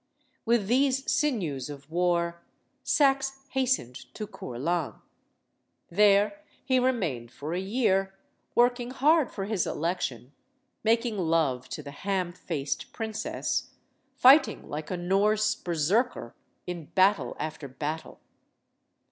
With these sinews of war, Saxe hastened to Courland. There he remained for a year; working hard for his election; making love to the ham faced princess; fighting like a Norse berserker in battle after battle.